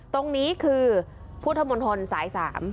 ตรงนี้คือพุทธมนตรสาย๓